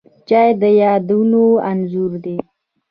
چای د یادونو انځور دی